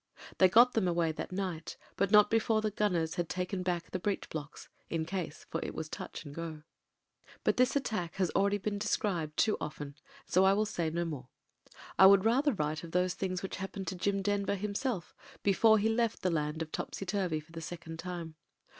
They got them away that night, but not be fore the gt^nners had taken back the breech Mocks — in case ; for it was touch and go. But this attack has already been described too often, and so I will .say no more. I would rather write of those things which happened to Jim Denver himself, before he left the Land of Topsy Turvy for the sec ond time.